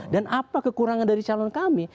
dan apa kekurangan dari calon kami